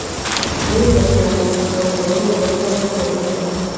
guhinga cyane ubutaka butaruhurwa cyangwa ngo burazwe,